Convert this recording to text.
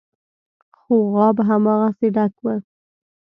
خو غاب هماغسې ډک و.